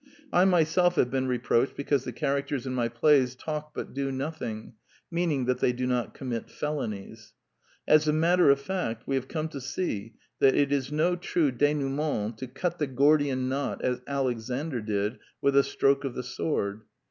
I myself have been reproached because the characters in my plays " talk but do nothing," meaning that they do not conunit felonies. As a matter of fact we have come to see that it is no true denouement to cut the Gordian knot as Alexander did with a stroke of the sword.